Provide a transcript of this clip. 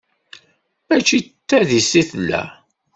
Mačci s tadist i tella?